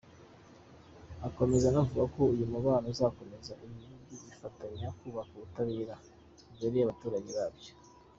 Akomeza anavuga ko uyu mubano uzakomeza, ibi bihugu bigafatanya kubaka ubutabera bubereye abaturage babyo.